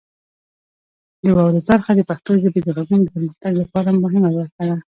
د واورئ برخه د پښتو ژبې د غږونو د پرمختګ لپاره مهمه برخه ده.